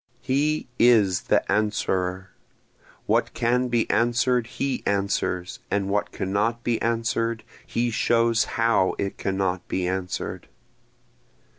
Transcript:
He is the Answerer, What can be answer'd he answers, and what cannot be answer'd he shows how it cannot be answer'd.